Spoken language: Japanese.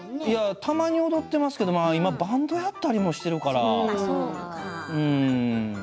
たまに踊ってるけど今はバンドやったりしているから。